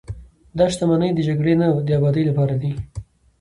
دا شتمنۍ د جګړې نه، د ابادۍ لپاره دي.